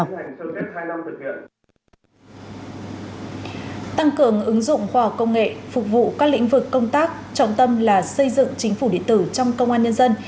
tăng cường ứng dụng khoa học công nghệ phục vụ các lĩnh vực công tác trọng tâm là xây dựng chính phủ điện tử trong công an nhân dân